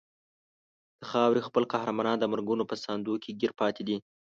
د خاورې خپل قهرمانان د مرګونو په ساندو کې ګیر پاتې دي.